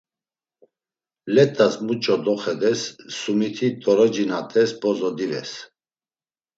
Let̆as muç̌o doxedes sumiti t̆oroci na t̆es bozo dives.